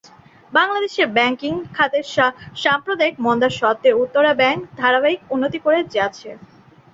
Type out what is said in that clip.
বাংলাদেশের ব্যাংকিং খাতের সাম্প্রতিক মন্দা স্বত্ত্বেও উত্তরা ব্যাংক ধারাবাহিক উন্নতি করে যাচ্ছে।